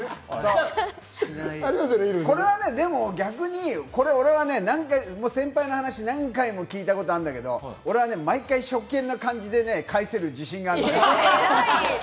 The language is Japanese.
これはでもね、俺は先輩の話、何回も聞いたことあるんだけど、毎回初見の感じで返せる自信があるの。